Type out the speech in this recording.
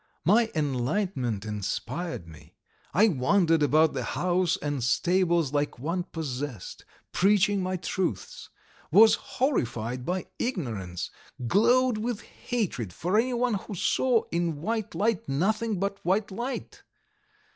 My enlightenment inspired me. I wandered about the house and stables like one possessed, preaching my truths, was horrified by ignorance, glowed with hatred for anyone who saw in white light nothing but white light.